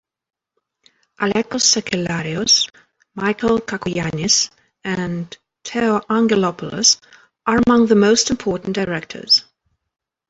Alekos Sakellarios, Michael Cacoyannis and Theo Angelopoulos are among the most important directors.